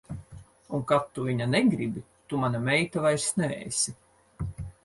Un kad tu viņa negribi, tu mana meita vairs neesi.